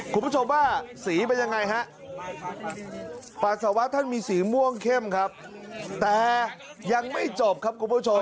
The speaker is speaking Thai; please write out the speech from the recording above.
คุณผู้ชมว่าสีเป็นยังไงฮะปัสสาวะท่านมีสีม่วงเข้มครับแต่ยังไม่จบครับคุณผู้ชม